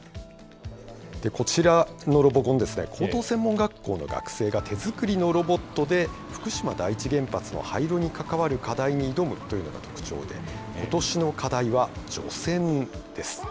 こちらのロボコン、高等専門学校の学生が手作りのロボットで、福島第一原発の廃炉に関わる課題に挑むというのが特徴で、ことしの課題は除染です。